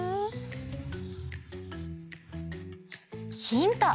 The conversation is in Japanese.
ヒント！